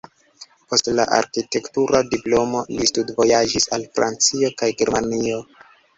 Post la arkitektura diplomo li studvojaĝis al Francio kaj Germanio.